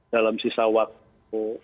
dalam sisa waktu